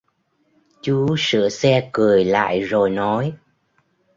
Chú sửa xe cười lại rồi nói